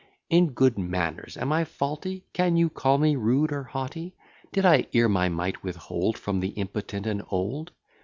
In good manners am I faulty? Can you call me rude or haughty? Did I e'er my mite withhold From the impotent and old?